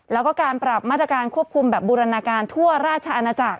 แล้วก็การปรับมาตรการควบคุมแบบบูรณาการทั่วราชอาณาจักร